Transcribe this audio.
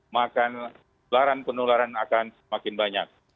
maka penularan penularan akan semakin banyak